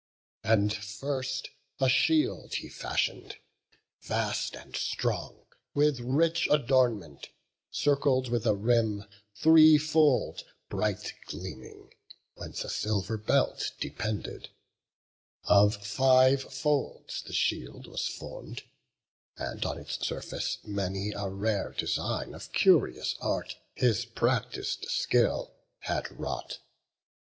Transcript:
And first a shield he fashion'd, vast and strong, With rich adornment; circled with a rim, Threefold, bright gleaming, whence a silver belt Depended; of five folds the shield was form'd; And on its surface many a rare design Of curious art his practis'd skill had wrought.